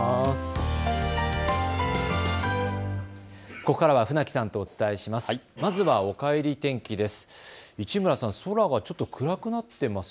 ここからは船木さんとお伝えします。